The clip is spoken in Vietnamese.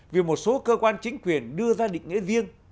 vì một số cơ quan chính quyền đưa ra định nghĩa riêng